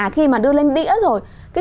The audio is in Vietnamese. khi mà đưa lên đĩa rồi